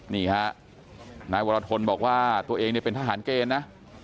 นี่ฮะนายวรทนบอกว่าตัวเองเนี่ยเป็นทหารเกณฑ์นะ